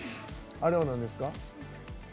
あれはなんですか？